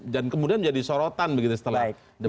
dan kemudian jadi sorotan begitu setelah debat terakhir